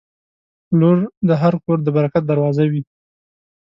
• لور د هر کور د برکت دروازه وي.